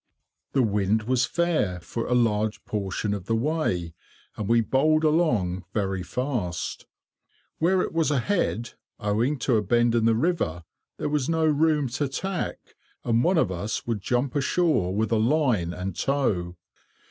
The wind was fair for a large portion of the way, and we bowled along very fast. Where it was ahead, owing to a bend in the river, there was no room to tack, and one of us would jump ashore with a line, and tow.